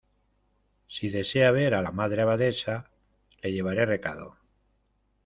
si desea ver a la Madre Abadesa, le llevaré recado.